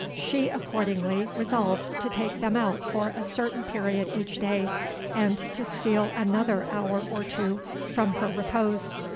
She accordingly resolved to take them out for a certain period each day, and to steal another hour or two from her repose.